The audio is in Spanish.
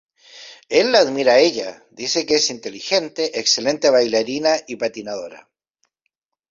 Él la admira a ella, dice que es inteligente, excelente bailarina y patinadora.